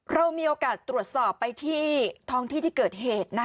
เรามีโอกาสตรวจสอบไปที่ท้องที่ที่เกิดเหตุ